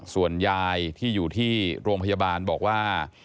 ส่วนยายที่อยู่ที่โรงพยาบาลบอกว่า